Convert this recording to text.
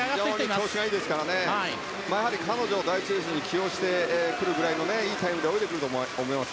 非常に調子がいいですからやはり、彼女を第１泳者に起用してくるぐらいのいいタイムで泳いでくると思います。